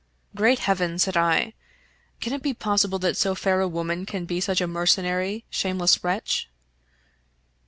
" Great heaven I " said I, " can it be possible that so fair a woman can be siich a mercenary, shameless wretch